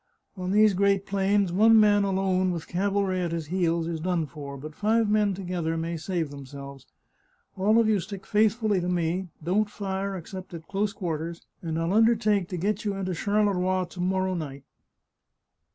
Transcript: On these great plains one man alone with cavalry at his heels is done for, but five men together may save themselves. All of you stick faithfully to me, don't fire except at close quarters, and I'll undertake to get you into Charleroi to morrow night."